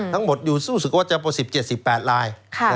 ทั้งหมดอยู่สู้สึกว่าเจ้าประสิทธิ์๗๘ลาย